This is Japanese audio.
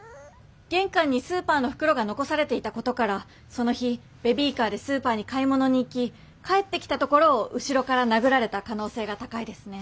玄関にスーパーの袋が残されていたことからその日ベビーカーでスーパーに買い物に行き帰ってきたところを後ろから殴られた可能性が高いですね。